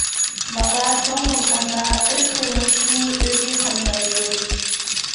بالا چوڭ بولغاندا ئۆز تۇرمۇشىنى ئۆزى قامدايدۇ.